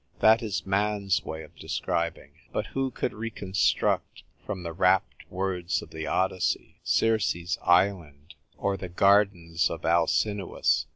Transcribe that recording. That is man's way of describing. But who could reconstruct, from the rapt words of the Odyssey, Circe's island or the gardens of Alcinous